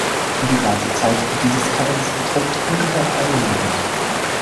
Die Reifezeit dieses Käses beträgt ungefähr einen Monat.